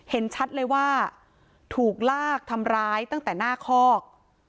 เห็นชัดเลยว่าถูกลากทำร้ายตั้งแต่หน้าคอก